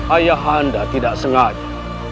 ayah anda tidak sengaja